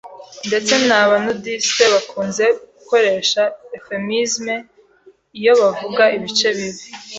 Ndetse naba nudiste bakunze gukoresha euphemisme iyo bavuga ibice bibi.